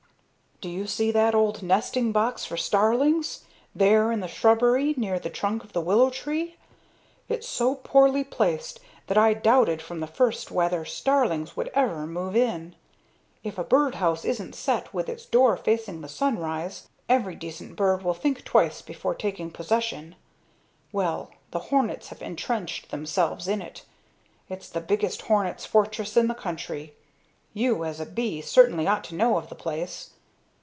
"Do you see that old nesting box for starlings, there in the shrubbery near the trunk of the willow tree? It's so poorly placed that I doubted from the first whether starlings would ever move in. If a bird house isn't set with its door facing the sunrise, every decent bird will think twice before taking possession. Well, the hornets have entrenched themselves in it. It's the biggest hornets' fortress in the country. You as a bee certainly ought to know of the place.